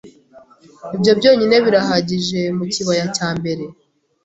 Ibyo byonyine birahagije mu kibaya cya mbere